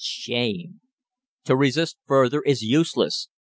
(Shame.) To resist further is useless.